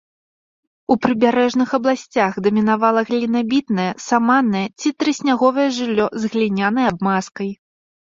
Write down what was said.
У прыбярэжных абласцях дамінавала глінабітнае, саманнае ці трысняговае жыллё з глінянай абмазкай.